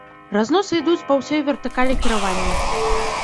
Разносы ідуць па ўсёй вертыкалі кіравання.